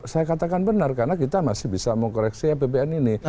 saya katakan benar karena kita masih bisa mengkoreksi apbn ini